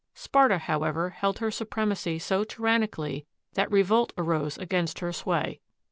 Sparta, however, held her supremacy so tyranni cally that revolt arose against her sway.